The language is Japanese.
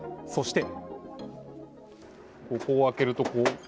そして。